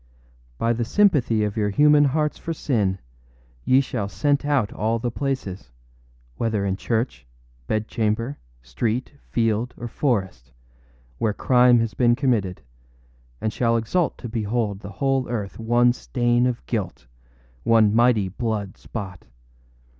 By the sympathy of your human hearts for sin ye shall scent out all the placesâwhether in church, bedchamber, street, field, or forestâwhere crime has been committed, and shall exult to behold the whole earth one stain of guilt, one mighty blood spot.